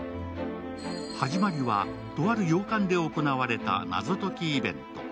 始まりは、とある洋館で行われた謎解きイベント。